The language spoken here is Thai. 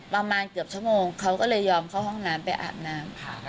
ประมาณเกือบชั่วโมงเขาก็เลยยอมเข้าห้องน้ำไปอาบน้ำค่ะ